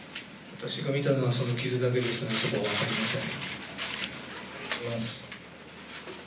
私が見たのはその傷だけですのでそれは分かりません。